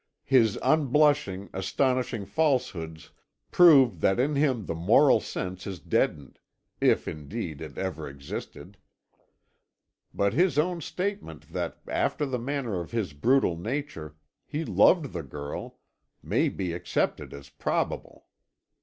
His unblushing, astonishing falsehoods prove that in him the moral sense is deadened, if indeed it ever existed. But his own statement that, after the manner of his brutal nature, he loved the girl, may be accepted as probable.